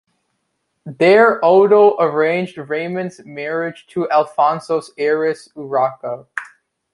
There Odo arranged Raymond's marriage to Alfonso's heiress, Urraca.